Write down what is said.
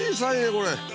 これ。